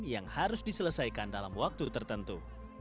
yang harus diselesaikan dalam waktu tertentu